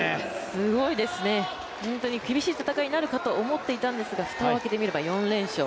すごいですね、本当に厳しい戦いになるかと思っていたんですけど蓋を開けてみれば４連勝。